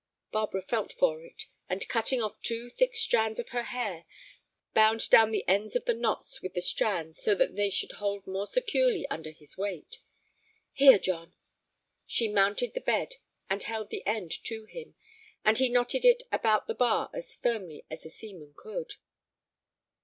Barbara felt for it, and, cutting off two thick strands of her hair, bound down the ends of the knots with the strands so that they should hold more surely under his weight. "Here, John." She mounted the bed and held the end to him, and he knotted it about the bar as firmly as a seaman could.